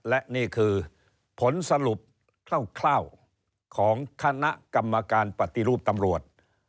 และนี่คือผลสรุปคร่าวของคณะกรรมการปฏิรูปตำรวจ